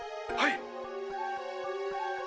はい。